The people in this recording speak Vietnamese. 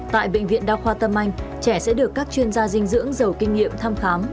tại bệnh viện đa khoa tâm anh trẻ sẽ được các chuyên gia dinh dưỡng giàu kinh nghiệm thăm khám